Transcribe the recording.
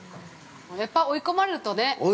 ◆やっぱ追い込まれるとね。